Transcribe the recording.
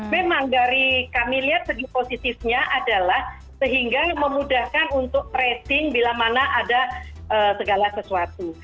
memang dari kami lihat segi positifnya adalah sehingga memudahkan untuk tracing bila mana ada segala sesuatu